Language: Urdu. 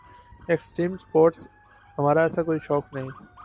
ایکسٹریم اسپورٹس ہمارا ایسا کوئی شوق نہیں